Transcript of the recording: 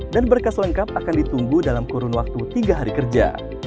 dan berkas lengkap akan ditunggu dalam kurun waktu tiga hari kerja